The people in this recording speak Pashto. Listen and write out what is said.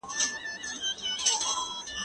زه پرون زدکړه کوم!؟